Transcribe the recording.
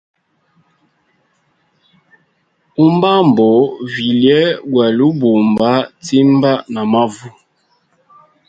Umbambo vilye gwali ubamba timba na mavu.